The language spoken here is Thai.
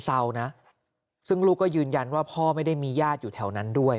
เศร้านะซึ่งลูกก็ยืนยันว่าพ่อไม่ได้มีญาติอยู่แถวนั้นด้วย